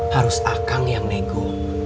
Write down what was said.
harus akang yang nego